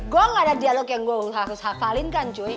gue gak ada dialog yang gue harus hafalin kan joy